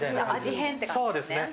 味変って感じですね。